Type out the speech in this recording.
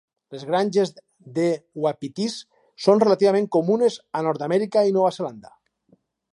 Les granges de uapitís són relativament comunes a Nord-amèrica i Nova Zelanda.